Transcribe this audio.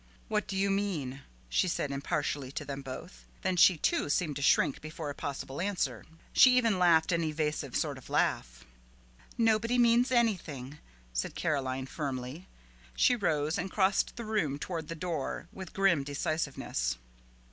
"What do you mean?" said she impartially to them both. Then she, too, seemed to shrink before a possible answer. She even laughed an evasive sort of laugh. "Nobody means anything," said Caroline firmly. She rose and crossed the room toward the door with grim decisiveness.